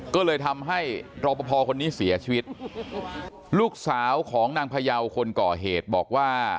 ก็เลยทำให้รอปภคนนี้เสียชีวิตลูกสาวของนางพยาวคนก่อเหตุบอกว่า